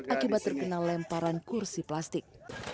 akibat terkena lemparan kursi plastik